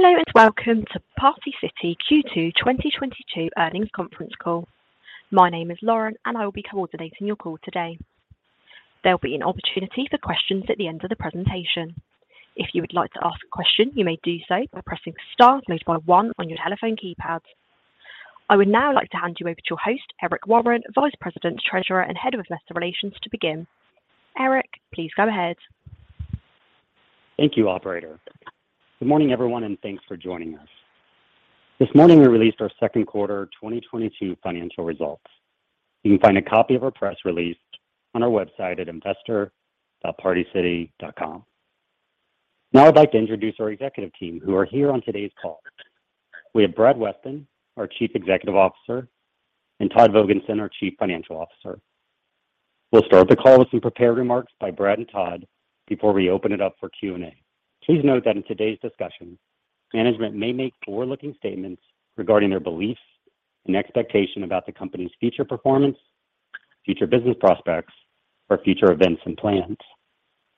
Hello and welcome to Party City Q2 2022 earnings conference call. My name is Lauren, and I will be coordinating your call today. There'll be an opportunity for questions at the end of the presentation. If you would like to ask a question, you may do so by pressing star then one on your telephone keypad. I would now like to hand you over to your host, Eric Warren, Vice President, Treasurer, and Head of Investor Relations, to begin. Eric, please go ahead. Thank you, operator. Good morning, everyone, and thanks for joining us. This morning, we released our second quarter 2022 financial results. You can find a copy of our press release on our website at investor.partycity.com. Now I'd like to introduce our executive team who are here on today's call. We have Brad Weston, our Chief Executive Officer, and Todd Vogensen, our Chief Financial Officer. We'll start the call with some prepared remarks by Brad and Todd before we open it up for Q&A. Please note that in today's discussion, management may make forward-looking statements regarding their beliefs and expectation about the company's future performance, future business prospects, or future events and plans.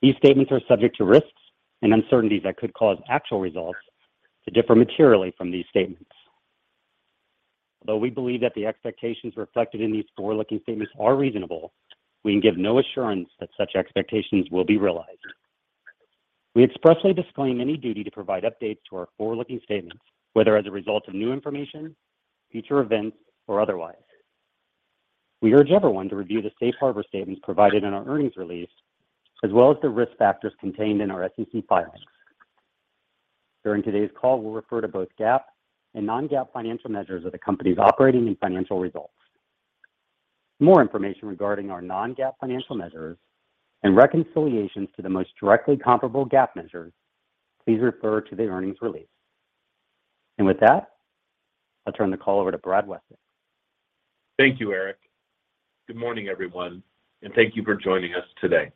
These statements are subject to risks and uncertainties that could cause actual results to differ materially from these statements. Although we believe that the expectations reflected in these forward-looking statements are reasonable, we can give no assurance that such expectations will be realized. We expressly disclaim any duty to provide updates to our forward-looking statements, whether as a result of new information, future events, or otherwise. We urge everyone to review the safe harbor statements provided in our earnings release, as well as the risk factors contained in our SEC filings. During today's call, we'll refer to both GAAP and non-GAAP financial measures of the company's operating and financial results. More information regarding our non-GAAP financial measures and reconciliations to the most directly comparable GAAP measures, please refer to the earnings release. With that, I'll turn the call over to Brad Weston. Thank you, Eric. Good morning, everyone, and thank you for joining us today.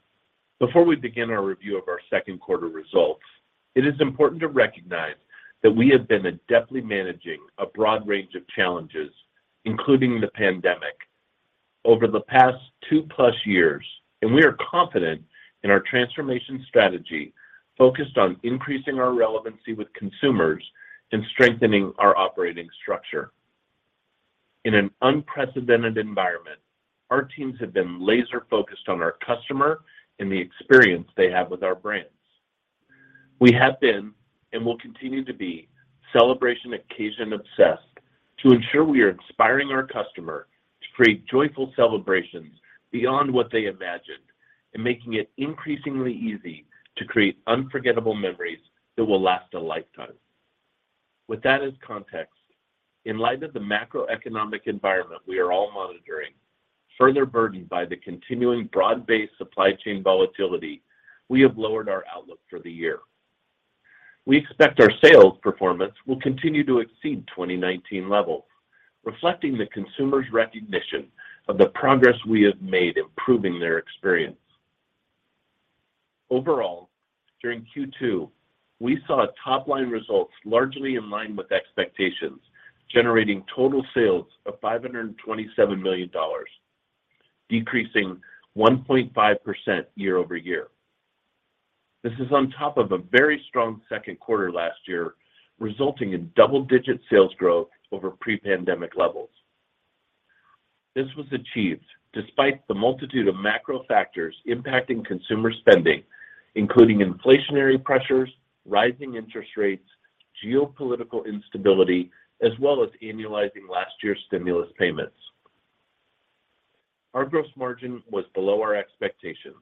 Before we begin our review of our second quarter results, it is important to recognize that we have been adeptly managing a broad range of challenges, including the pandemic over the past two-plus years, and we are confident in our transformation strategy focused on increasing our relevancy with consumers and strengthening our operating structure. In an unprecedented environment, our teams have been laser-focused on our customer and the experience they have with our brands. We have been, and will continue to be, celebration occasion-obsessed to ensure we are inspiring our customer to create joyful celebrations beyond what they imagined and making it increasingly easy to create unforgettable memories that will last a lifetime. With that as context, in light of the macroeconomic environment we are all monitoring, further burdened by the continuing broad-based supply chain volatility, we have lowered our outlook for the year. We expect our sales performance will continue to exceed 2019 levels, reflecting the consumer's recognition of the progress we have made improving their experience. Overall, during Q2, we saw top-line results largely in line with expectations, generating total sales of $527 million, decreasing 1.5% year-over-year. This is on top of a very strong second quarter last year, resulting in double-digit sales growth over pre-pandemic levels. This was achieved despite the multitude of macro factors impacting consumer spending, including inflationary pressures, rising interest rates, geopolitical instability, as well as annualizing last year's stimulus payments. Our gross margin was below our expectations,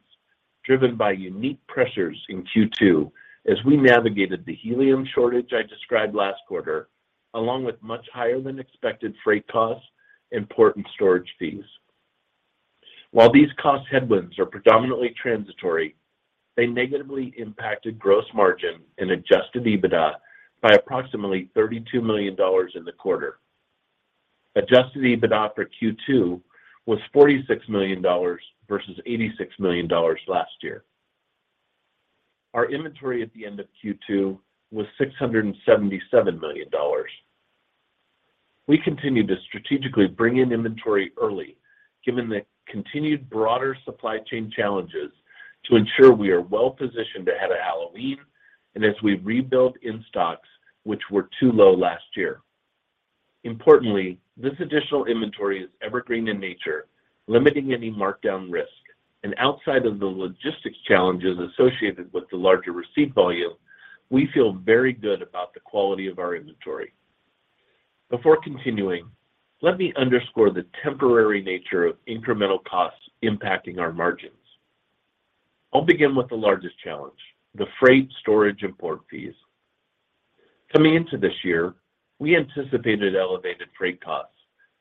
driven by unique pressures in Q2 as we navigated the helium shortage I described last quarter, along with much higher than expected freight costs and port and storage fees. While these cost headwinds are predominantly transitory, they negatively impacted gross margin and adjusted EBITDA by approximately $32 million in the quarter. Adjusted EBITDA for Q2 was $46 million versus $86 million last year. Our inventory at the end of Q2 was $677 million. We continue to strategically bring in inventory early, given the continued broader supply chain challenges, to ensure we are well-positioned ahead of Halloween and as we rebuild in-stocks which were too low last year. Importantly, this additional inventory is evergreen in nature, limiting any markdown risk. Outside of the logistics challenges associated with the larger receipt volume, we feel very good about the quality of our inventory. Before continuing, let me underscore the temporary nature of incremental costs impacting our margins. I'll begin with the largest challenge, the freight, storage, and port fees. Coming into this year, we anticipated elevated freight costs,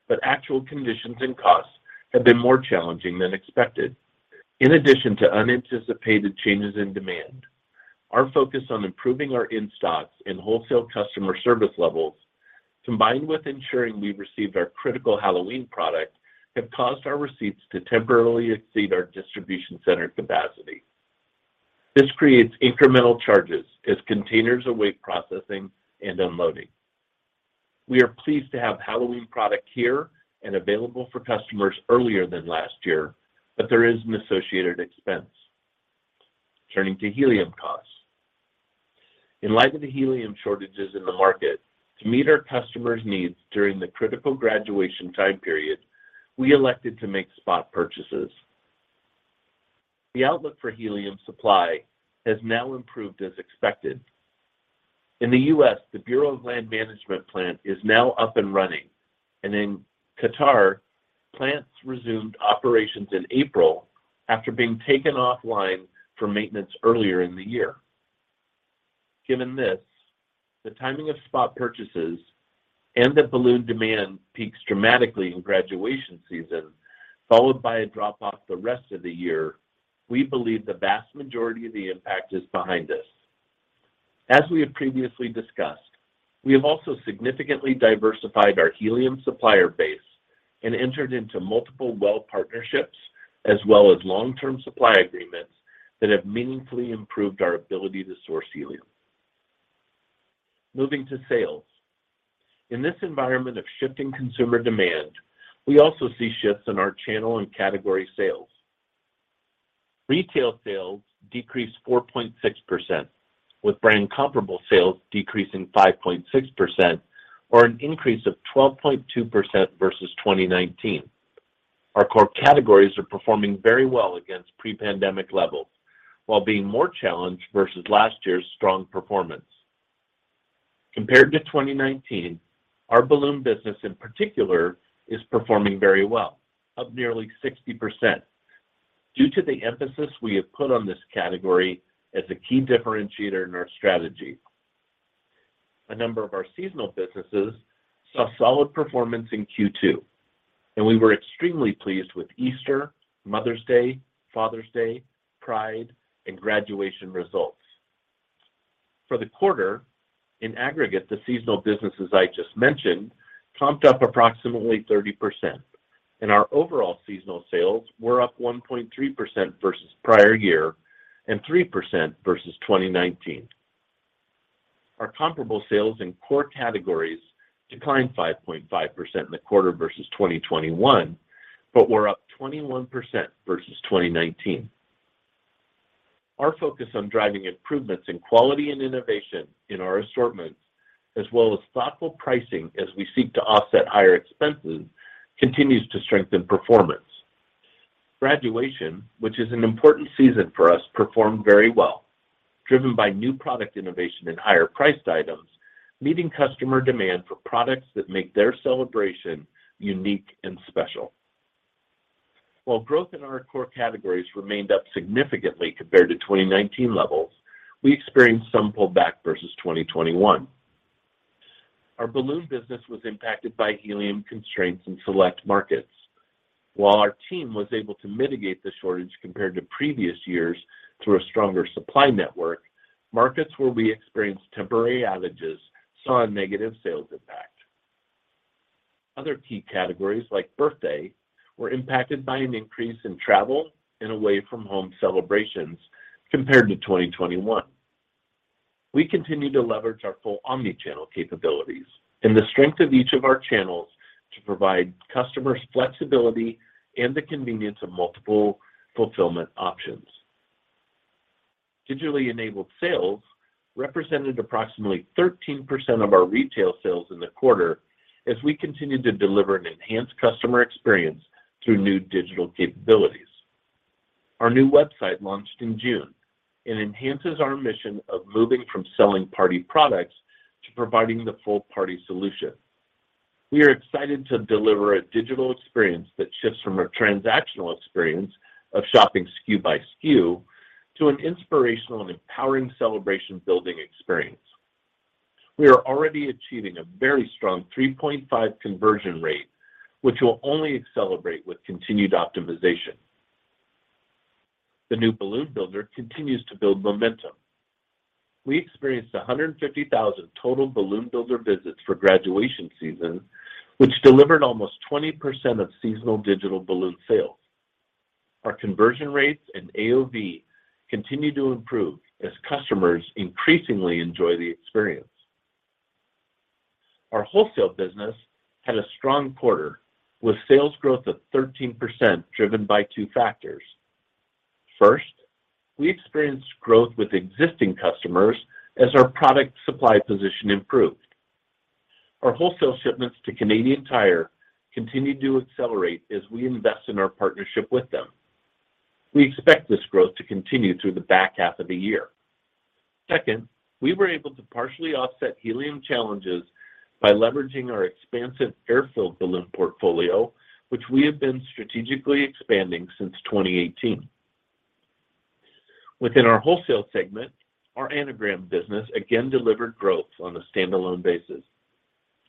but actual conditions and costs have been more challenging than expected. In addition to unanticipated changes in demand, our focus on improving our in-stocks and wholesale customer service levels, combined with ensuring we received our critical Halloween product, have caused our receipts to temporarily exceed our distribution center capacity. This creates incremental charges as containers await processing and unloading. We are pleased to have Halloween product here and available for customers earlier than last year, but there is an associated expense. Turning to helium costs. In light of the helium shortages in the market, to meet our customers' needs during the critical graduation time period, we elected to make spot purchases. The outlook for helium supply has now improved as expected. In the U.S., the Bureau of Land Management plant is now up and running, and in Qatar, plants resumed operations in April after being taken offline for maintenance earlier in the year. Given this, the timing of spot purchases and that balloon demand peaks dramatically in graduation season, followed by a drop off the rest of the year, we believe the vast majority of the impact is behind us. As we have previously discussed, we have also significantly diversified our helium supplier base and entered into multiple well partnerships as well as long-term supply agreements that have meaningfully improved our ability to source helium. Moving to sales. In this environment of shifting consumer demand, we also see shifts in our channel and category sales. Retail sales decreased 4.6%, with brand comparable sales decreasing 5.6% or an increase of 12.2% versus 2019. Our core categories are performing very well against pre-pandemic levels while being more challenged versus last year's strong performance. Compared to 2019, our balloon business in particular is performing very well, up nearly 60% due to the emphasis we have put on this category as a key differentiator in our strategy. A number of our seasonal businesses saw solid performance in Q2, and we were extremely pleased with Easter, Mother's Day, Father's Day, Pride, and Graduation results. For the quarter, in aggregate, the seasonal businesses I just mentioned pumped up approximately 30%, and our overall seasonal sales were up 1.3% versus prior year and 3% versus 2019. Our comparable sales in core categories declined 5.5% in the quarter versus 2021, but were up 21% versus 2019. Our focus on driving improvements in quality and innovation in our assortments, as well as thoughtful pricing as we seek to offset higher expenses, continues to strengthen performance. Graduation, which is an important season for us, performed very well, driven by new product innovation and higher priced items, meeting customer demand for products that make their celebration unique and special. While growth in our core categories remained up significantly compared to 2019 levels, we experienced some pullback versus 2021. Our balloon business was impacted by helium constraints in select markets. While our team was able to mitigate the shortage compared to previous years through a stronger supply network, markets where we experienced temporary outages saw a negative sales impact. Other key categories like birthday were impacted by an increase in travel and away from home celebrations compared to 2021. We continue to leverage our full omni-channel capabilities and the strength of each of our channels to provide customers flexibility and the convenience of multiple fulfillment options. Digitally enabled sales represented approximately 13% of our retail sales in the quarter as we continued to deliver an enhanced customer experience through new digital capabilities. Our new website launched in June and enhances our mission of moving from selling party products to providing the full party solution. We are excited to deliver a digital experience that shifts from a transactional experience of shopping SKU by SKU to an inspirational and empowering celebration building experience. We are already achieving a very strong 3.5 conversion rate, which will only accelerate with continued optimization. The new Balloon Builder continues to build momentum. We experienced 150,000 total Balloon Builder visits for graduation season, which delivered almost 20% of seasonal digital balloon sales. Our conversion rates and AOV continue to improve as customers increasingly enjoy the experience. Our wholesale business had a strong quarter with sales growth of 13% driven by two factors. First, we experienced growth with existing customers as our product supply position improved. Our wholesale shipments to Canadian Tire continued to accelerate as we invest in our partnership with them. We expect this growth to continue through the back half of the year. Second, we were able to partially offset helium challenges by leveraging our expansive air-filled balloon portfolio, which we have been strategically expanding since 2018. Within our wholesale segment, our Anagram business again delivered growth on a standalone basis.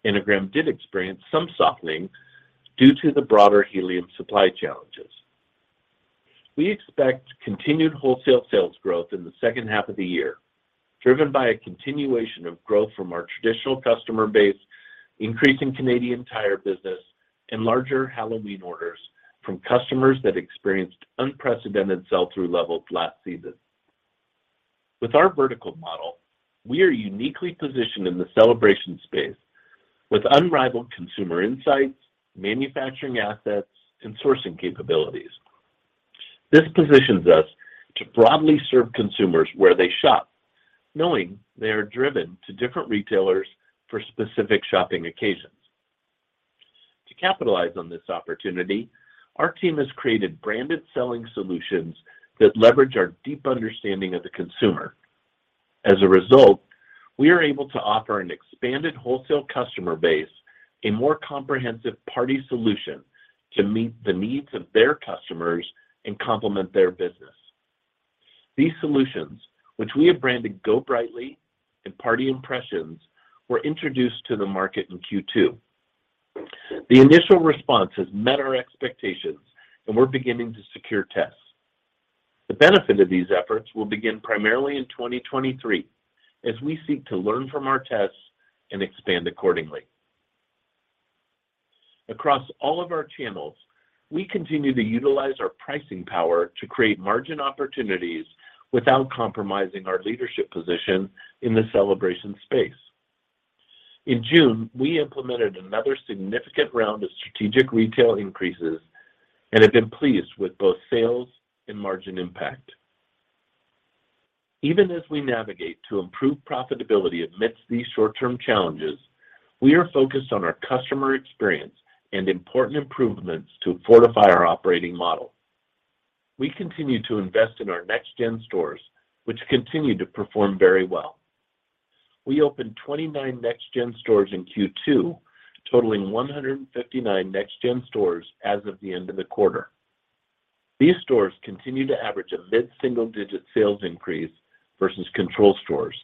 Anagram did experience some softening due to the broader helium supply challenges. We expect continued wholesale sales growth in the second half of the year, driven by a continuation of growth from our traditional customer base, increasing Canadian Tire business, and larger Halloween orders from customers that experienced unprecedented sell-through levels last season. With our vertical model, we are uniquely positioned in the celebration space with unrivaled consumer insights, manufacturing assets, and sourcing capabilities. This positions us to broadly serve consumers where they shop, knowing they are driven to different retailers for specific shopping occasions. To capitalize on this opportunity, our team has created branded selling solutions that leverage our deep understanding of the consumer. As a result, we are able to offer an expanded wholesale customer base a more comprehensive party solution to meet the needs of their customers and complement their business. These solutions, which we have branded Go Brightly and Party Impressions, were introduced to the market in Q2. The initial response has met our expectations and we're beginning to secure tests. The benefit of these efforts will begin primarily in 2023 as we seek to learn from our tests and expand accordingly. Across all of our channels, we continue to utilize our pricing power to create margin opportunities without compromising our leadership position in the celebration space. In June, we implemented another significant round of strategic retail increases and have been pleased with both sales and margin impact. Even as we navigate to improve profitability amidst these short-term challenges, we are focused on our customer experience and important improvements to fortify our operating model. We continue to invest in our Next Generation stores, which continue to perform very well. We opened 29 Next Generation stores in Q2, totaling 159 Next Generation stores as of the end of the quarter. These stores continue to average a mid-single digit sales increase versus control stores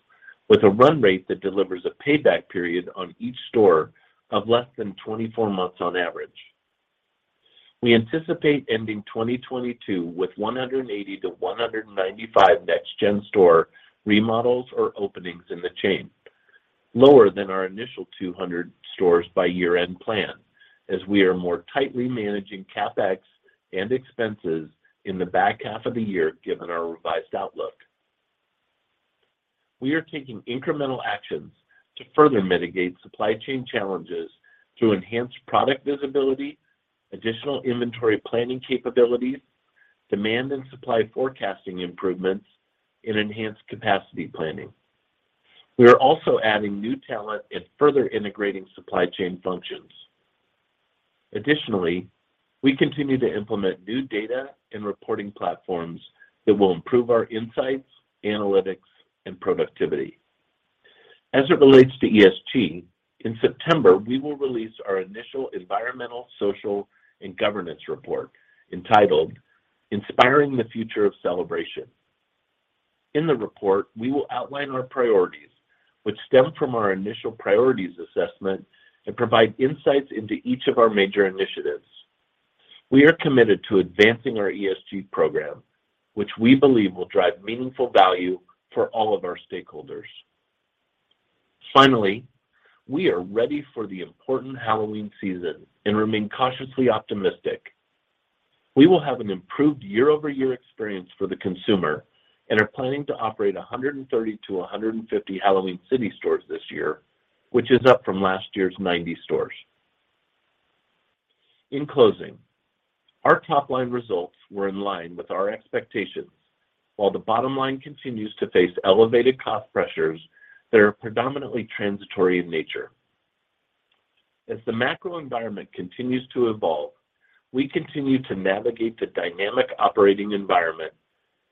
with a run rate that delivers a payback period on each store of less than 24 months on average. We anticipate ending 2022 with 180-195 Next Generation store remodels or openings in the chain, lower than our initial 200 stores by year-end plan, as we are more tightly managing CapEx and expenses in the back half of the year given our revised outlook. We are taking incremental actions to further mitigate supply chain challenges through enhanced product visibility, additional inventory planning capabilities, demand and supply forecasting improvements, and enhanced capacity planning. We are also adding new talent and further integrating supply chain functions. Additionally, we continue to implement new data and reporting platforms that will improve our insights, analytics, and productivity. As it relates to ESG, in September, we will release our initial environmental, social, and governance report entitled Inspiring the Future of Celebration. In the report, we will outline our priorities, which stem from our initial priorities assessment and provide insights into each of our major initiatives. We are committed to advancing our ESG program, which we believe will drive meaningful value for all of our stakeholders. Finally, we are ready for the important Halloween season and remain cautiously optimistic. We will have an improved year-over-year experience for the consumer and are planning to operate 130-150 Halloween City stores this year, which is up from last year's 90 stores. In closing, our top line results were in line with our expectations, while the bottom line continues to face elevated cost pressures that are predominantly transitory in nature. As the macro environment continues to evolve, we continue to navigate the dynamic operating environment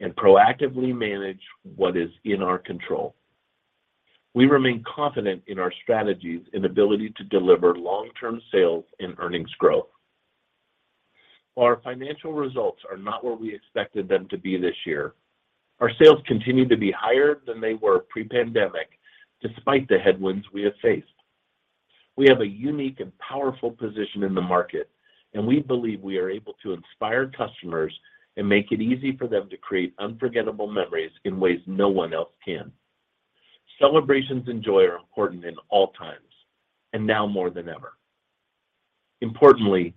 and proactively manage what is in our control. We remain confident in our strategies and ability to deliver long-term sales and earnings growth. While our financial results are not where we expected them to be this year, our sales continue to be higher than they were pre-pandemic despite the headwinds we have faced. We have a unique and powerful position in the market, and we believe we are able to inspire customers and make it easy for them to create unforgettable memories in ways no one else can. Celebrations and joy are important in all times, and now more than ever. Importantly,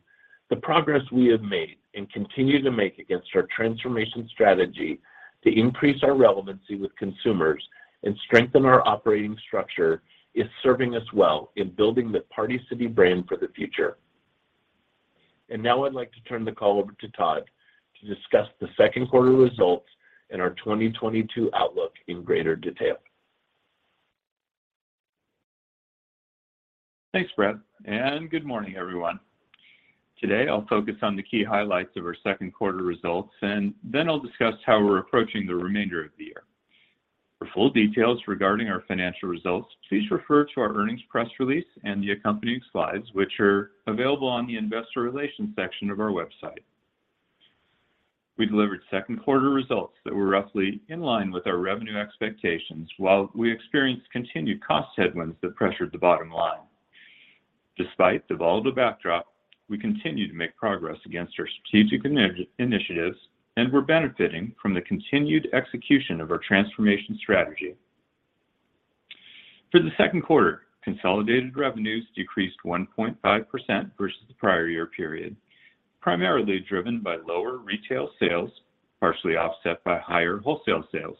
the progress we have made and continue to make against our transformation strategy to increase our relevancy with consumers and strengthen our operating structure is serving us well in building the Party City brand for the future. Now I'd like to turn the call over to Todd to discuss the second quarter results and our 2022 outlook in greater detail. Thanks, Brad. Good morning, everyone. Today, I'll focus on the key highlights of our second quarter results, and then I'll discuss how we're approaching the remainder of the year. For full details regarding our financial results, please refer to our earnings press release and the accompanying slides, which are available on the investor relations section of our website. We delivered second quarter results that were roughly in line with our revenue expectations while we experienced continued cost headwinds that pressured the bottom line. Despite the volatile backdrop, we continue to make progress against our strategic initiatives and we're benefiting from the continued execution of our transformation strategy. For the second quarter, consolidated revenues decreased 1.5% versus the prior year period, primarily driven by lower retail sales, partially offset by higher wholesale sales.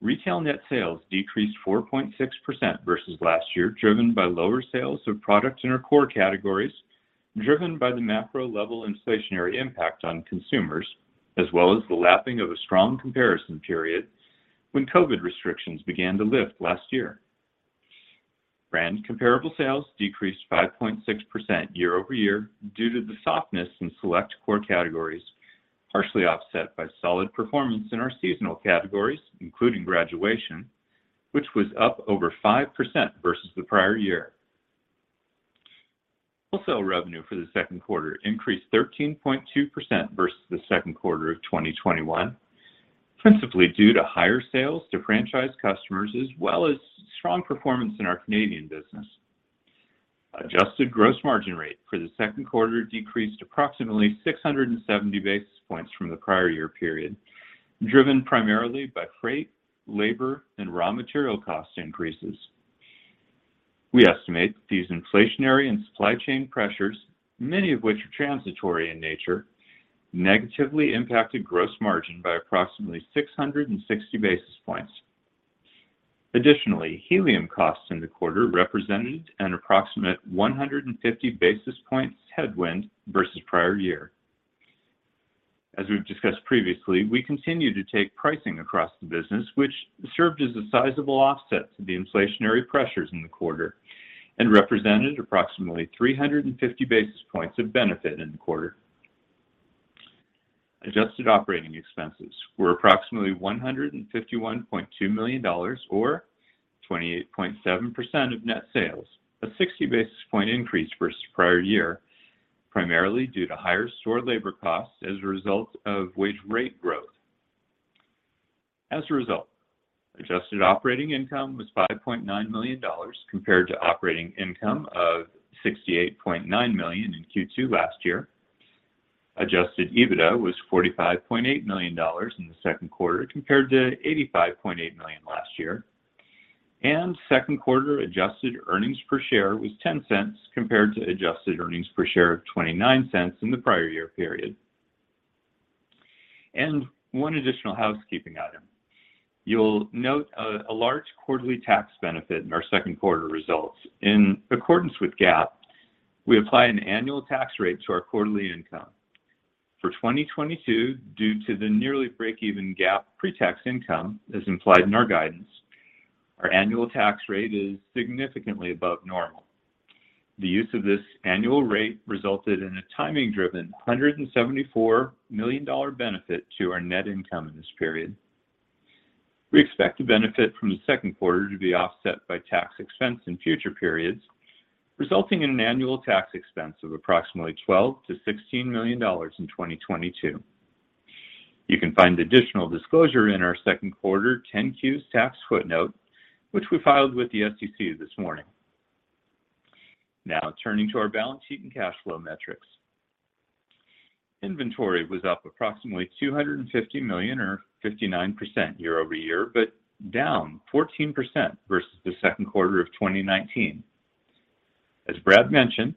Retail net sales decreased 4.6% versus last year, driven by lower sales of products in our core categories, driven by the macro level inflationary impact on consumers, as well as the lapping of a strong comparison period when COVID restrictions began to lift last year. Brand comparable sales decreased 5.6% year over year due to the softness in select core categories, partially offset by solid performance in our seasonal categories, including graduation, which was up over 5% versus the prior year. Wholesale revenue for the second quarter increased 13.2% versus the second quarter of 2021, principally due to higher sales to franchise customers as well as strong performance in our Canadian business. Adjusted gross margin rate for the second quarter decreased approximately 670 basis points from the prior year period, driven primarily by freight, labor, and raw material cost increases. We estimate these inflationary and supply chain pressures, many of which are transitory in nature, negatively impacted gross margin by approximately 660 basis points. Additionally, helium costs in the quarter represented an approximate 150 basis points headwind versus prior year. As we've discussed previously, we continue to take pricing across the business, which served as a sizable offset to the inflationary pressures in the quarter and represented approximately 350 basis points of benefit in the quarter. Adjusted operating expenses were approximately $151.2 million or 28.7% of net sales, a 60 basis points increase versus prior year, primarily due to higher store labor costs as a result of wage rate growth. As a result, adjusted operating income was $5.9 million compared to operating income of $68.9 million in Q2 last year. Adjusted EBITDA was $45.8 million in the second quarter compared to $85.8 million last year. Second quarter adjusted earnings per share was $0.10 compared to adjusted earnings per share of $0.29 in the prior year period. One additional housekeeping item. You'll note a large quarterly tax benefit in our second quarter results. In accordance with GAAP, we apply an annual tax rate to our quarterly income. For 2022, due to the nearly break-even GAAP pre-tax income as implied in our guidance, our annual tax rate is significantly above normal. The use of this annual rate resulted in a timing-driven $174 million benefit to our net income in this period. We expect the benefit from the second quarter to be offset by tax expense in future periods, resulting in an annual tax expense of approximately $12-$16 million in 2022. You can find additional disclosure in our second quarter 10-Q tax footnote, which we filed with the SEC this morning. Now turning to our balance sheet and cash flow metrics. Inventory was up approximately $250 million or 59% year-over-year, but down 14% versus the second quarter of 2019. As Brad mentioned,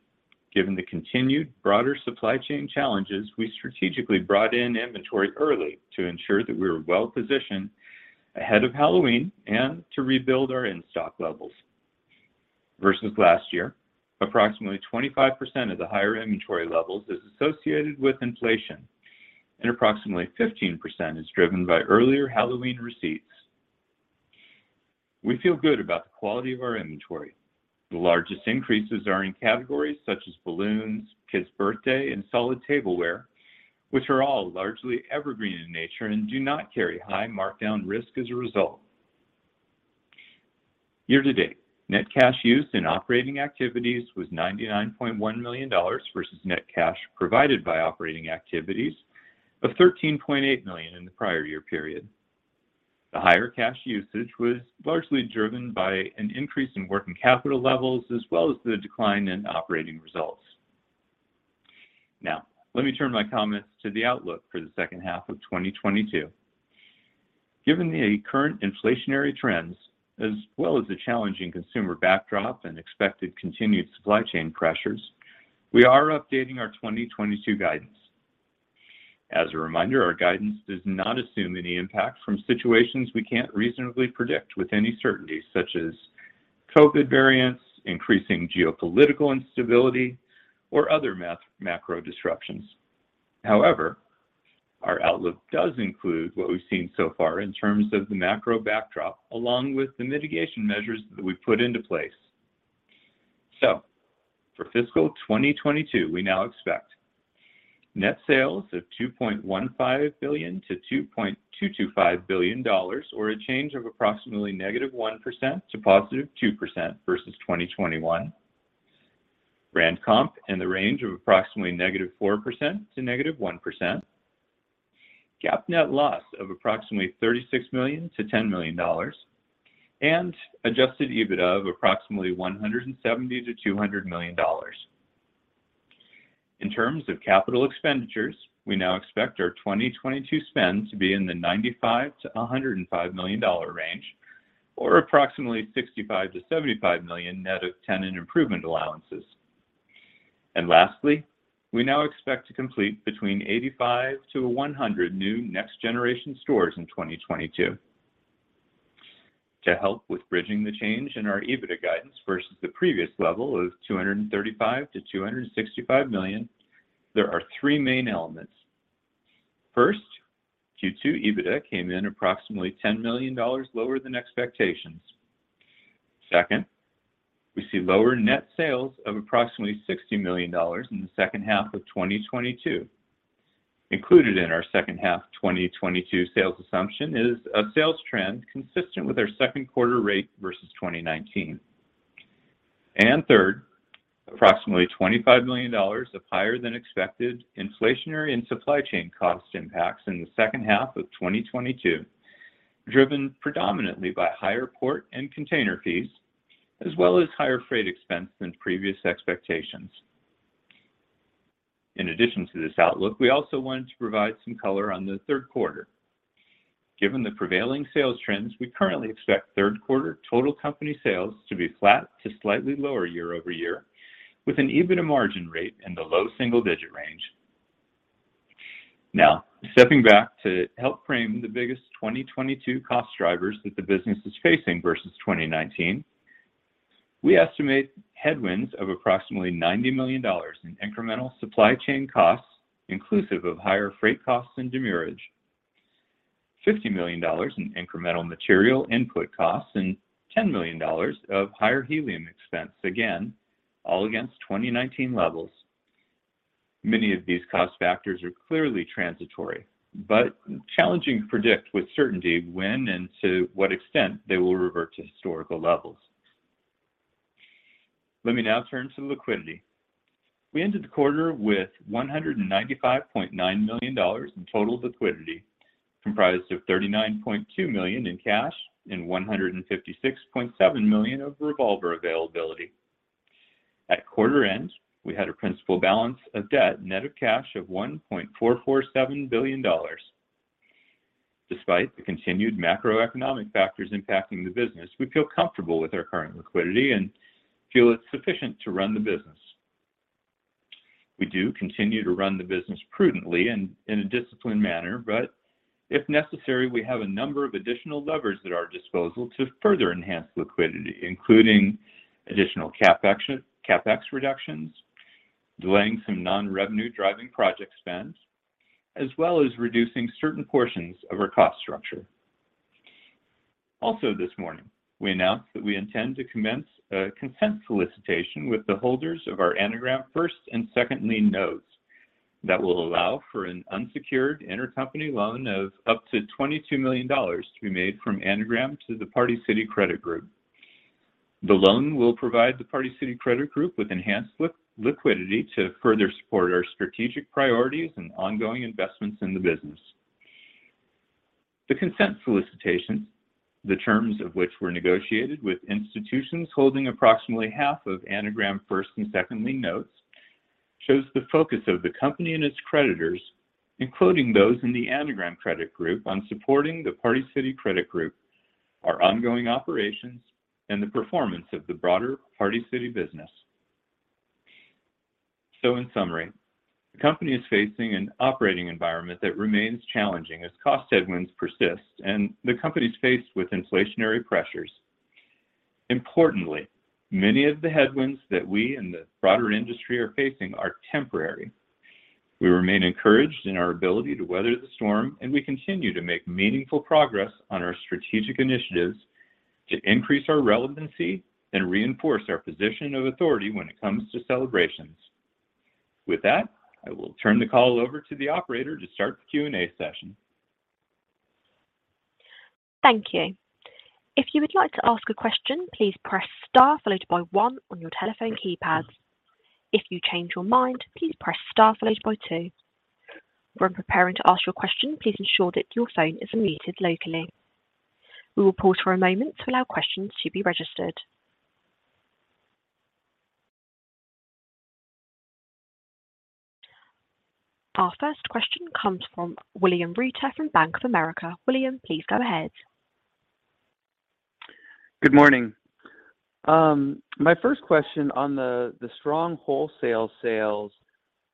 given the continued broader supply chain challenges, we strategically brought in inventory early to ensure that we were well positioned ahead of Halloween and to rebuild our in-stock levels. Versus last year, approximately 25% of the higher inventory levels is associated with inflation, and approximately 15% is driven by earlier Halloween receipts. We feel good about the quality of our inventory. The largest increases are in categories such as balloons, kids birthday, and solid tableware, which are all largely evergreen in nature and do not carry high markdown risk as a result. Year to date, net cash used in operating activities was $99.1 million versus net cash provided by operating activities of $13.8 million in the prior year period. The higher cash usage was largely driven by an increase in working capital levels as well as the decline in operating results. Now, let me turn my comments to the outlook for the second half of 2022. Given the current inflationary trends as well as the challenging consumer backdrop and expected continued supply chain pressures, we are updating our 2022 guidance. As a reminder, our guidance does not assume any impact from situations we can't reasonably predict with any certainty, such as COVID variants, increasing geopolitical instability, or other macro disruptions. However, our outlook does include what we've seen so far in terms of the macro backdrop along with the mitigation measures that we've put into place. For fiscal 2022, we now expect net sales of $2.15 billion-$2.225 billion, or a change of approximately -1% to +2% versus 2021. Brand comp in the range of approximately -4% to -1%. GAAP net loss of approximately $36 million-$10 million. Adjusted EBITDA of approximately $170 million-$200 million. In terms of capital expenditures, we now expect our 2022 spend to be in the $95 million-$105 million range or approximately $65 million-$75 million net of tenant improvement allowances. Lastly, we now expect to complete between 85-100 new Next Generation stores in 2022. To help with bridging the change in our EBITDA guidance versus the previous level of $235 million-$265 million, there are three main elements. First, Q2 EBITDA came in approximately $10 million lower than expectations. Second, we see lower net sales of approximately $60 million in the second half of 2022. Included in our second half 2022 sales assumption is a sales trend consistent with our second quarter rate versus 2019. Third, approximately $25 million of higher than expected inflationary and supply chain cost impacts in the second half of 2022, driven predominantly by higher port and container fees as well as higher freight expense than previous expectations. In addition to this outlook, we also wanted to provide some color on the third quarter. Given the prevailing sales trends, we currently expect third quarter total company sales to be flat to slightly lower year-over-year, with an EBITDA margin rate in the low single digit range. Now, stepping back to help frame the biggest 2022 cost drivers that the business is facing versus 2019, we estimate headwinds of approximately $90 million in incremental supply chain costs, inclusive of higher freight costs and demurrage, $50 million in incremental material input costs, and $10 million of higher helium expense. Again, all against 2019 levels. Many of these cost factors are clearly transitory, but challenging to predict with certainty when and to what extent they will revert to historical levels. Let me now turn to liquidity. We ended the quarter with $195.9 million in total liquidity, comprised of $39.2 million in cash and $156.7 million of revolver availability. At quarter end, we had a principal balance of debt net of cash of $1.447 billion. Despite the continued macroeconomic factors impacting the business, we feel comfortable with our current liquidity and feel it's sufficient to run the business. We do continue to run the business prudently and in a disciplined manner, but if necessary, we have a number of additional levers at our disposal to further enhance liquidity, including additional CapEx reductions, delaying some non-revenue driving project spends, as well as reducing certain portions of our cost structure. Also this morning, we announced that we intend to commence a consent solicitation with the holders of our Anagram first and second lien notes that will allow for an unsecured intercompany loan of up to $22 million to be made from Anagram to the Party City Credit Group. The loan will provide the Party City Credit Group with enhanced liquidity to further support our strategic priorities and ongoing investments in the business. The consent solicitation, the terms of which were negotiated with institutions holding approximately half of Anagram first and second lien notes, shows the focus of the company and its creditors, including those in the Anagram credit group, on supporting the Party City Credit Group, our ongoing operations, and the performance of the broader Party City business. In summary, the company is facing an operating environment that remains challenging as cost headwinds persist and the company is faced with inflationary pressures. Importantly, many of the headwinds that we and the broader industry are facing are temporary. We remain encouraged in our ability to weather the storm, and we continue to make meaningful progress on our strategic initiatives to increase our relevancy and reinforce our position of authority when it comes to celebrations. With that, I will turn the call over to the operator to start the Q&A session. Thank you. If you would like to ask a question, please press star followed by one on your telephone keypad. If you change your mind, please press star followed by two. When preparing to ask your question, please ensure that your phone is unmuted locally. We will pause for a moment to allow questions to be registered. Our first question comes from William Reuter from Bank of America. William, please go ahead. Good morning. My first question on the strong wholesale sales,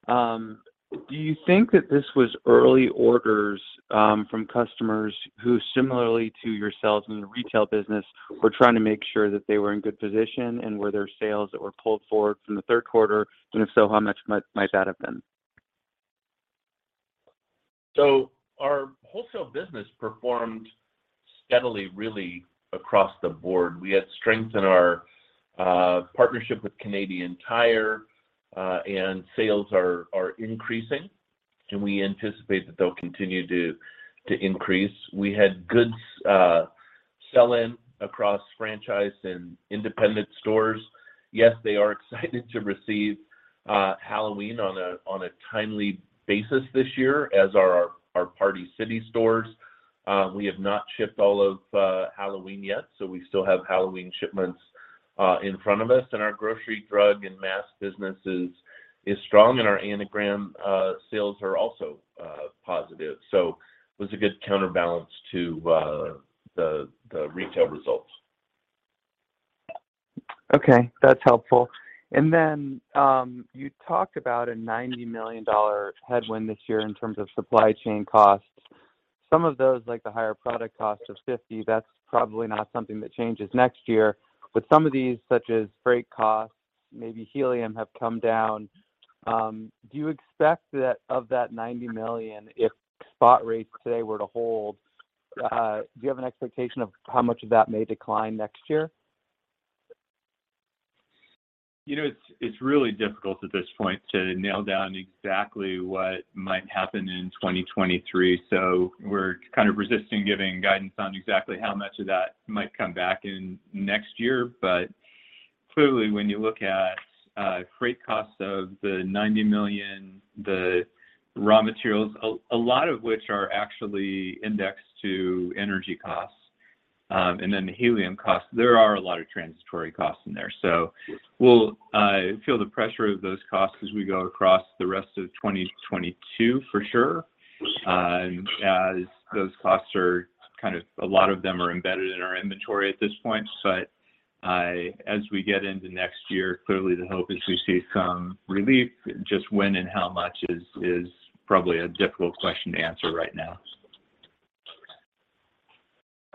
do you think that this was early orders from customers who similarly to yourselves in the retail business were trying to make sure that they were in good position and were there sales that were pulled forward from the third quarter, and if so, how much might that have been? Our wholesale business performed steadily really across the board. We had strength in our partnership with Canadian Tire, and sales are increasing, and we anticipate that they'll continue to increase. We had good sell-in across franchise and independent stores. Yes, they are excited to receive Halloween on a timely basis this year as are our Party City stores. We have not shipped all of Halloween yet, so we still have Halloween shipments. In front of us, in our grocery, drug, and mass businesses is strong, and our Anagram sales are also positive. It was a good counterbalance to the retail results. Okay. That's helpful. You talked about a $90 million headwind this year in terms of supply chain costs. Some of those, like the higher product cost of $50 million, that's probably not something that changes next year. Some of these, such as freight costs, maybe helium, have come down. Do you expect that, of that $90 million, if spot rates today were to hold, do you have an expectation of how much of that may decline next year? You know, it's really difficult at this point to nail down exactly what might happen in 2023. We're kind of resisting giving guidance on exactly how much of that might come back in next year. Clearly, when you look at freight costs of the $90 million, the raw materials, a lot of which are actually indexed to energy costs, and then the helium costs, there are a lot of transitory costs in there. We'll feel the pressure of those costs as we go across the rest of 2022 for sure. As those costs are kind of a lot of them are embedded in our inventory at this point. As we get into next year, clearly the hope is we see some relief. Just when and how much is probably a difficult question to answer right now.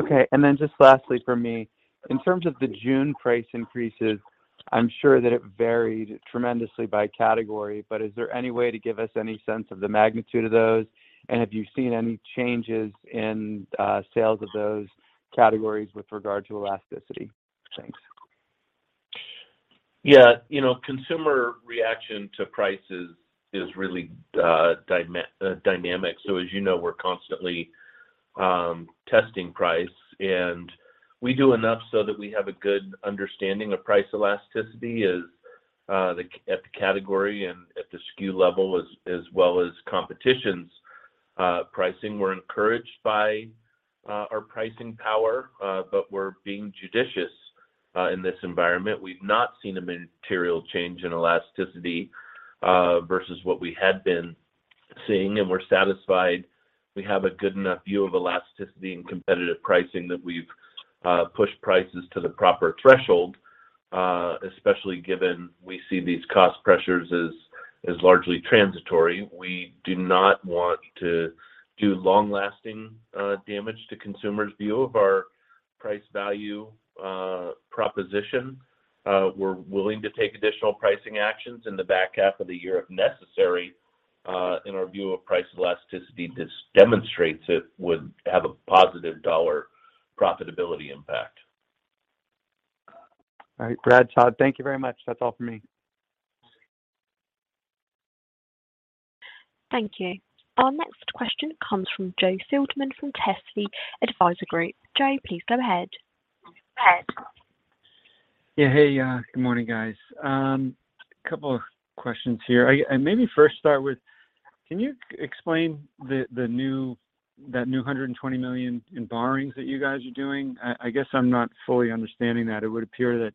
Okay. Just lastly from me, in terms of the June price increases, I'm sure that it varied tremendously by category, but is there any way to give us any sense of the magnitude of those? Have you seen any changes in, sales of those categories with regard to elasticity? Thanks. Yeah. You know, consumer reaction to prices is really dynamic. As you know, we're constantly testing price. We do enough so that we have a good understanding of price elasticity at the category and at the SKU level as well as competition's pricing. We're encouraged by our pricing power, but we're being judicious in this environment. We've not seen a material change in elasticity versus what we had been seeing, and we're satisfied we have a good enough view of elasticity and competitive pricing that we've pushed prices to the proper threshold, especially given we see these cost pressures as largely transitory. We do not want to do long-lasting damage to consumers' view of our price value proposition. We're willing to take additional pricing actions in the back half of the year if necessary, in our view of price elasticity. This demonstrates it would have a positive dollar profitability impact. All right. Brad, Todd, thank you very much. That's all for me. Thank you. Our next question comes from Joe Feldman from Telsey Advisory Group. Joe, please go ahead. Yeah. Hey, good morning, guys. Couple of questions here. I maybe first start with, can you explain that new $120 million in borrowings that you guys are doing? I guess I'm not fully understanding that. It would appear that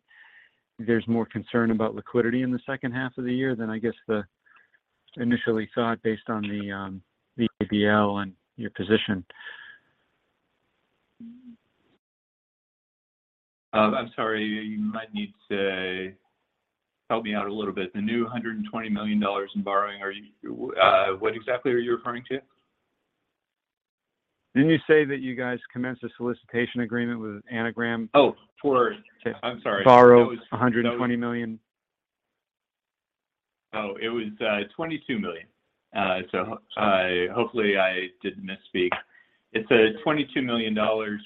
there's more concern about liquidity in the second half of the year than I guess initially thought based on the ABL and your position? I'm sorry. You might need to help me out a little bit. The new $120 million in borrowing, what exactly are you referring to? Didn't you say that you guys commenced a solicitation agreement with Anagram? I'm sorry. to borrow $120 million? Oh, it was $22 million. I- Sorry. Hopefully I didn't misspeak. It's a $22 million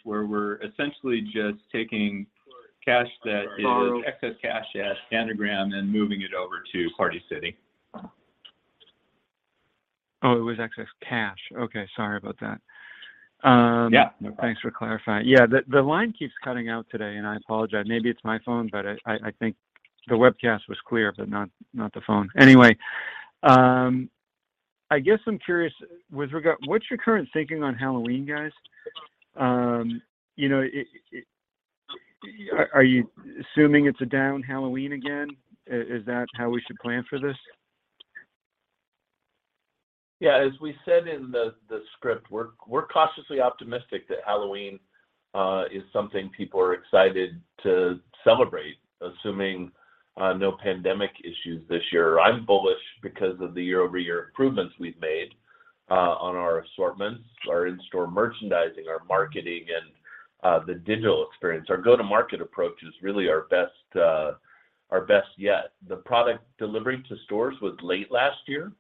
where we're essentially just taking cash that is. Borrow. Excess cash at Anagram and moving it over to Party City. Oh, it was excess cash. Okay. Sorry about that. Yeah, no problem. Thanks for clarifying. Yeah, the line keeps cutting out today, and I apologize. Maybe it's my phone, but I think the webcast was clear but not the phone. Anyway, I guess I'm curious with regard. What's your current thinking on Halloween, guys? You know, are you assuming it's a down Halloween again? Is that how we should plan for this? Yeah. As we said in the script, we're cautiously optimistic that Halloween is something people are excited to celebrate, assuming no pandemic issues this year. I'm bullish because of the year-over-year improvements we've made on our assortments, our in-store merchandising, our marketing, and the digital experience. Our go-to-market approach is really our best yet. The product delivery to stores was late last year,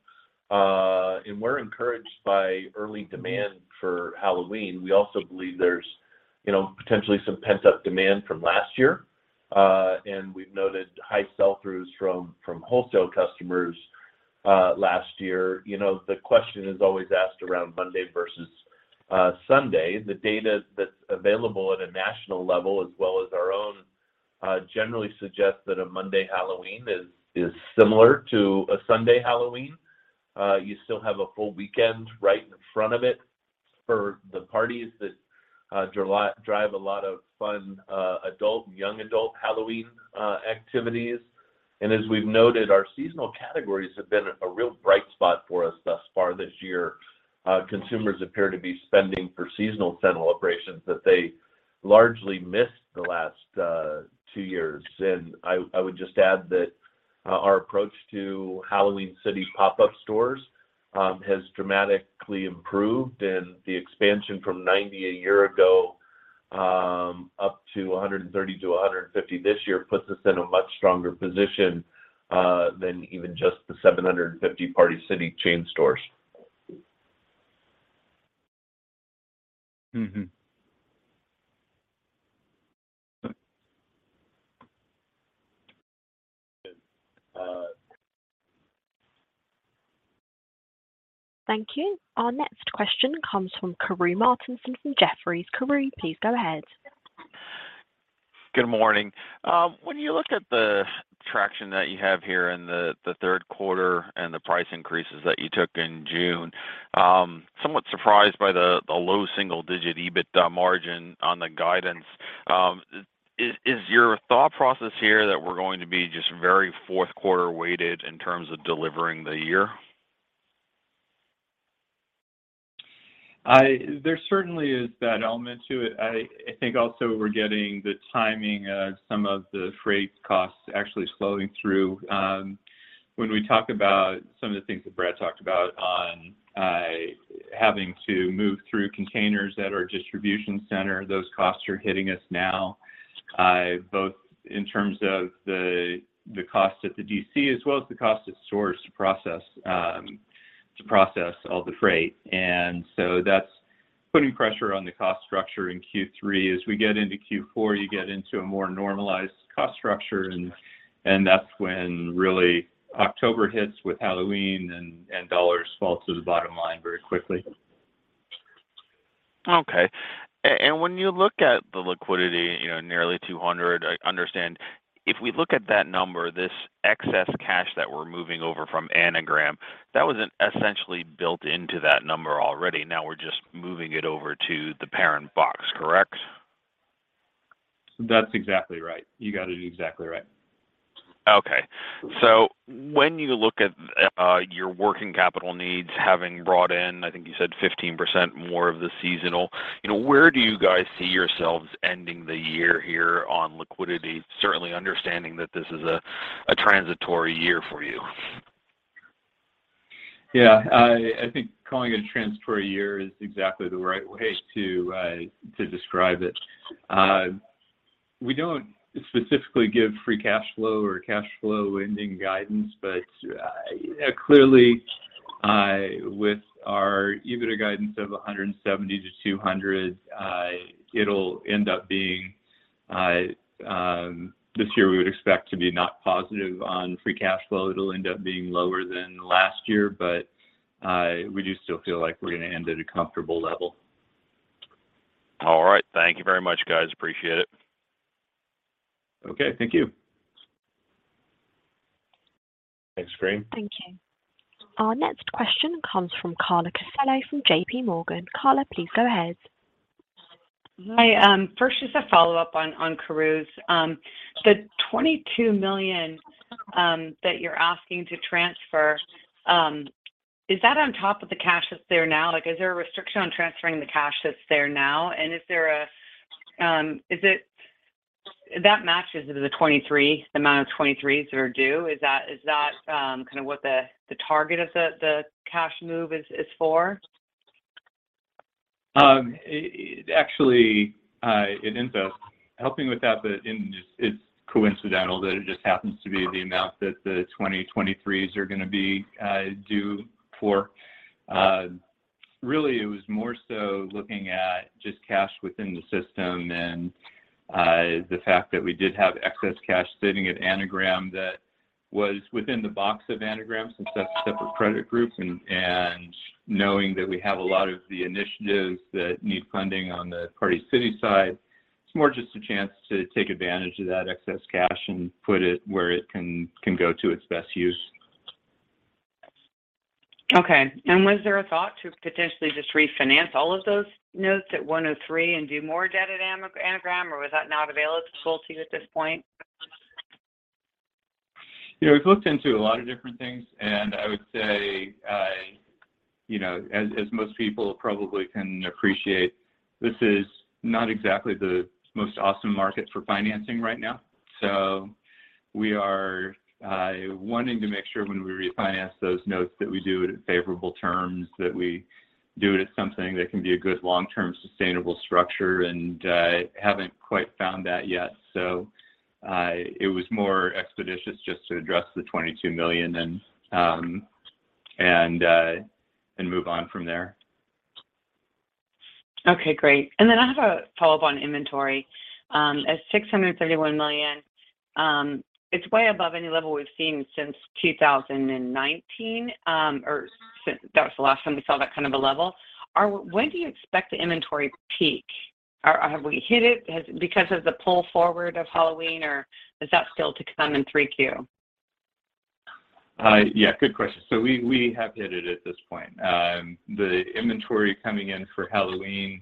and we're encouraged by early demand for Halloween. We also believe there's you know, potentially some pent-up demand from last year, and we've noted high sell-throughs from wholesale customers last year. You know, the question is always asked around Monday versus Sunday. The data that's available at a national level as well as our own generally suggests that a Monday Halloween is similar to a Sunday Halloween. You still have a full weekend right in front of it. For the parties that drive a lot of fun, adult, young adult Halloween activities. As we've noted, our seasonal categories have been a real bright spot for us thus far this year. Consumers appear to be spending for seasonal celebrations that they largely missed the last two years. I would just add that our approach to Halloween City pop-up stores has dramatically improved. The expansion from 90 a year ago up to 130-150 this year puts us in a much stronger position than even just the 750 Party City chain stores. Thank you. Our next question comes from Karru Martinson from Jefferies. Karru, please go ahead. Good morning. When you look at the traction that you have here in the third quarter and the price increases that you took in June, somewhat surprised by the low single-digit EBITDA margin on the guidance. Is your thought process here that we're going to be just very fourth quarter weighted in terms of delivering the year? There certainly is that element to it. I think also we're getting the timing of some of the freight costs actually slowing through. When we talk about some of the things that Brad talked about on having to move through containers at our distribution center, those costs are hitting us now, both in terms of the cost at the DC as well as the cost of stores to process all the freight. That's putting pressure on the cost structure in Q3. As we get into Q4, you get into a more normalized cost structure and that's when really October hits with Halloween and dollars fall to the bottom line very quickly. Okay. When you look at the liquidity, you know, nearly $200, I understand if we look at that number, this excess cash that we're moving over from Anagram, that was essentially built into that number already, now we're just moving it over to the parent box, correct? That's exactly right. You got it exactly right. When you look at your working capital needs, having brought in I think you said 15% more of the seasonal, you know, where do you guys see yourselves ending the year here on liquidity? Certainly understanding that this is a transitory year for you? Yeah. I think calling it a transitory year is exactly the right way to describe it. We don't specifically give free cash flow or cash flow ending guidance, but clearly, with our EBITDA guidance of 170-200, it'll end up being this year we would expect to be not positive on free cash flow. It'll end up being lower than last year, but we do still feel like we're gonna end at a comfortable level. All right. Thank you very much, guys. Appreciate it. Okay. Thank you. Thanks Karru. Thank you. Our next question comes from Carla Casella from JP Morgan. Carla, please go ahead. Hi. First just a follow-up on Karru. The $22 million that you're asking to transfer, is that on top of the cash that's there now? Like is there a restriction on transferring the cash that's there now? And is it that matches the 2023, the amount of 2023s that are due. Is that kind of what the target of the cash move is for? Actually, in fact, helping with that, it's coincidental that it just happens to be the amount that the 2023s are gonna be due for. Really, it was more so looking at just cash within the system and the fact that we did have excess cash sitting at Anagram that was within the box of Anagram since that's a separate credit group, and knowing that we have a lot of the initiatives that need funding on the Party City side, it's more just a chance to take advantage of that excess cash and put it where it can go to its best use. Okay. Was there a thought to potentially just refinance all of those notes at 103 and do more debt at Anagram, or was that not available to you at this point? You know, we've looked into a lot of different things, and I would say, you know, as most people probably can appreciate, this is not exactly the most awesome market for financing right now. We are wanting to make sure when we refinance those notes that we do it at favorable terms, that we do it as something that can be a good long-term sustainable structure, and haven't quite found that yet. It was more expeditious just to address the $22 million and move on from there. Okay, great. Then I have a follow-up on inventory. At $631 million, it's way above any level we've seen since 2019, that was the last time we saw that kind of a level. When do you expect the inventory peak? Or have we hit it? Because of the pull forward of Halloween or is that still to come in 3Q? Yeah, good question. We have hit it at this point. The inventory coming in for Halloween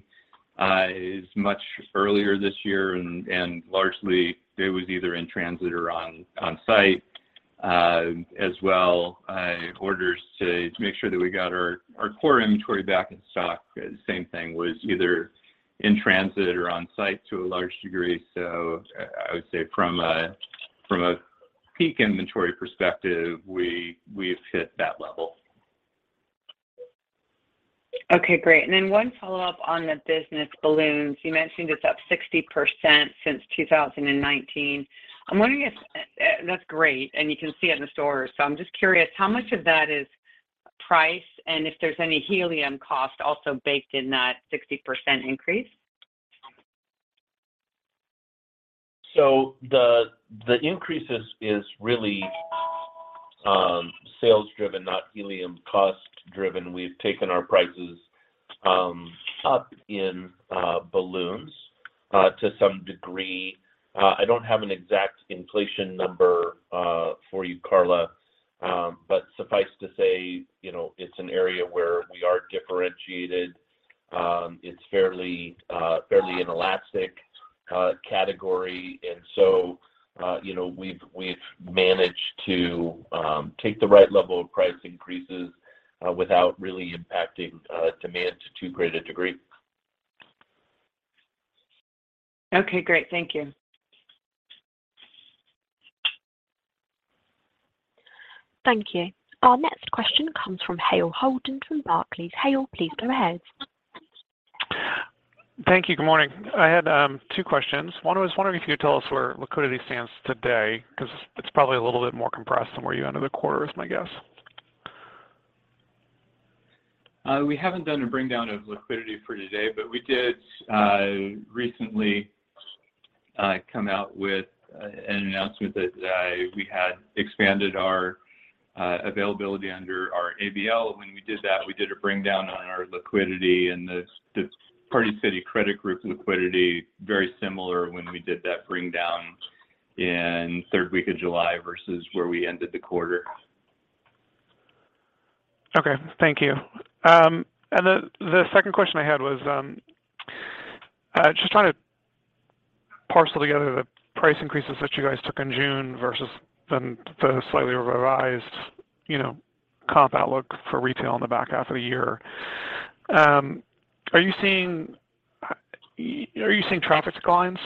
is much earlier this year and largely it was either in transit or on site. As well, orders to make sure that we got our core inventory back in stock, the same thing, was either in transit or on site to a large degree. I would say from a peak inventory perspective, we've hit that level. Okay, great. One follow-up on the business balloons. You mentioned it's up 60% since 2019. That's great, and you can see it in the stores. I'm just curious, how much of that is price and if there's any helium cost also baked in that 60% increase? The increase is really sales driven, not helium cost driven. We've taken our prices up in balloons to some degree. I don't have an exact inflation number for you, Carla, but suffice to say, you know, it's an area where we are differentiated. It's fairly inelastic category. You know, we've managed to take the right level of price increases without really impacting demand to too great a degree. Okay, great. Thank you. Thank you. Our next question comes from Hale Holden from Barclays. Hale, please go ahead. Thank you. Good morning. I had two questions. One was wondering if you could tell us where liquidity stands today because it's probably a little bit more compressed than where you ended the quarter is my guess. We haven't done a bring down of liquidity for today, but we did recently come out with an announcement that we had expanded our availability under our ABL. When we did that, we did a bring down on our liquidity and the Party City Credit Group liquidity, very similar when we did that bring down in third week of July versus where we ended the quarter. Okay, thank you. The second question I had was just trying to parcel together the price increases that you guys took in June versus the slightly revised, you know, comp outlook for retail in the back half of the year. Are you seeing traffic declines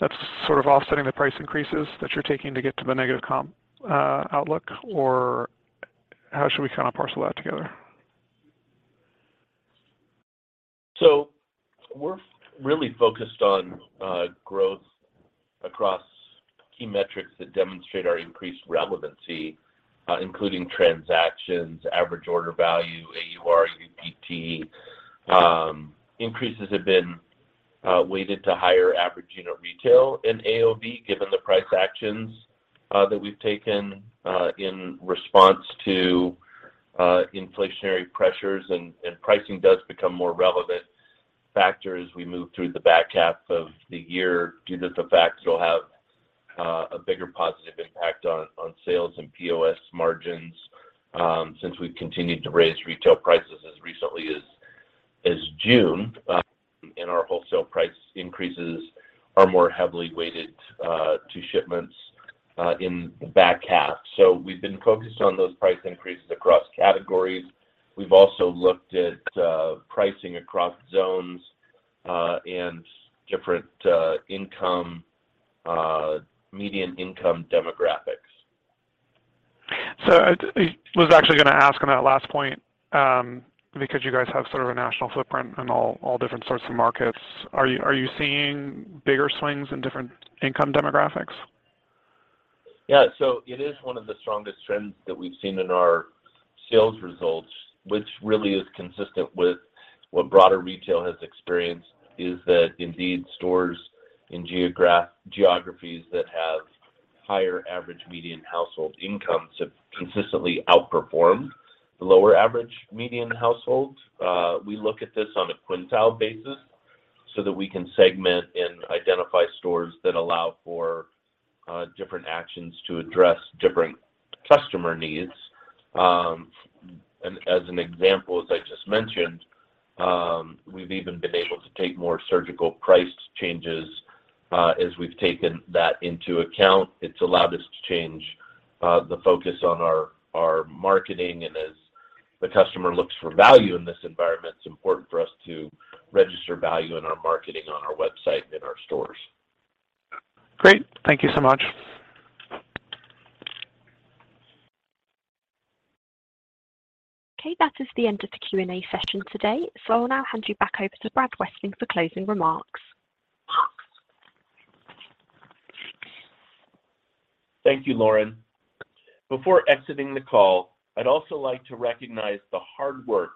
that's sort of offsetting the price increases that you're taking to get to the negative comp outlook? Or how should we kind of parcel that together? We're really focused on growth across key metrics that demonstrate our increased relevancy, including transactions, average order value, AUR, UPT. Increases have been weighted to higher average unit retail and AOV, given the price actions that we've taken in response to inflationary pressures and pricing does become more relevant factor as we move through the back half of the year due to the fact it'll have a bigger positive impact on sales and POS margins, since we've continued to raise retail prices as recently as June, and our wholesale price increases are more heavily weighted to shipments in the back half. We've been focused on those price increases across categories. We've also looked at pricing across zones and different income median income demographics. I was actually gonna ask on that last point, because you guys have sort of a national footprint in all different sorts of markets. Are you seeing bigger swings in different income demographics? Yeah. It is one of the strongest trends that we've seen in our sales results, which really is consistent with what broader retail has experienced, is that indeed stores in geographies that have higher average median household incomes have consistently outperformed the lower average median households. We look at this on a quintile basis so that we can segment and identify stores that allow for different actions to address different customer needs. As an example, as I just mentioned, we've even been able to take more surgical price changes, as we've taken that into account. It's allowed us to change the focus on our marketing. As the customer looks for value in this environment, it's important for us to register value in our marketing on our website and in our stores. Great. Thank you so much. Okay. That is the end of the Q&A session today. I'll now hand you back over to Brad Weston for closing remarks. Thank you, Lauren. Before exiting the call, I'd also like to recognize the hard work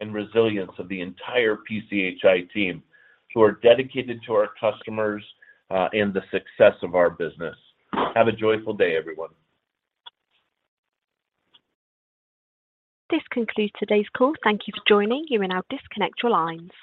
and resilience of the entire PCHI team who are dedicated to our customers, and the success of our business. Have a joyful day, everyone. This concludes today's call. Thank you for joining. You may now disconnect your lines.